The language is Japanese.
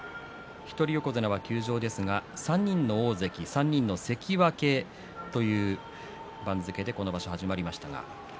一人横綱は休場ですが３人の大関、３人の関脇という番付でこの場所、始まりました。